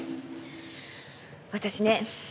私ね